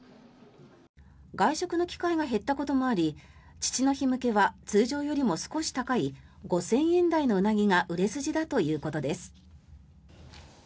外食の機会が減ったこともあり父の日向けは通常よりも少し高い５０００円台のウナギが売れ筋だということです。